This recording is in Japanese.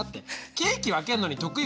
ケーキ分けるのに得意